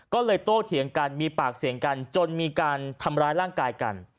ก็เลยโตเถียงกันมีปากเสียงกันจนมีการทำร้ายร่างกายกัน